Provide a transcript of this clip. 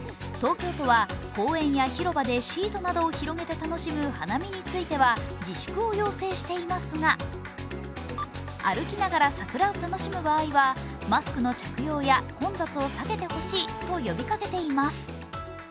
東京都は公園や広場でシートなどを広げて楽しむ花見については自粛を要請していますが、歩きながら、桜を楽しむ場合はマスクの着用や混雑を避けてほしいと呼びかけています。